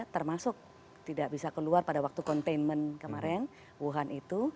termasuk tidak bisa keluar pada waktu containment kemarin wuhan itu